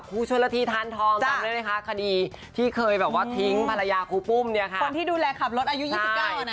ครูชนละทีทานทองจำได้ไหมคะคดีที่เคยแบบว่าทิ้งภรรยาครูปุ้มเนี่ยค่ะคนที่ดูแลขับรถอายุ๒๙นะ